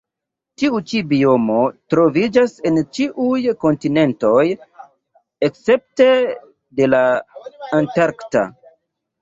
Tiu ĉi biomo troviĝas en ĉiuj kontinentoj escepte de la antarkta.